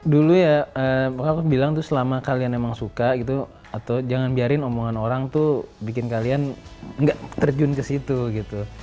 dulu ya maka aku bilang selama kalian emang suka jangan biarkan omongan orang bikin kalian nggak terjun ke situ